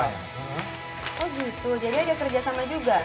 oh gitu jadi ada kerjasama juga